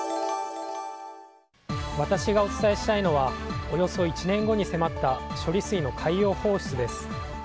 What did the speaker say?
私がお伝えしたいのはおよそ１年後に迫った処理水の海洋放出です。